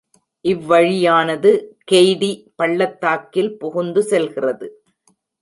இவ்வழியானது கெய்டி பள்ளத்தாக்கில் புகுந்து செல்கிறது.